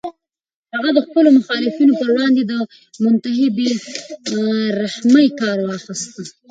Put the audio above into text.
هغه د خپلو مخالفینو پر وړاندې له منتهی بې رحمۍ کار واخیست.